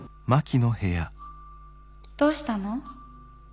どうしたの？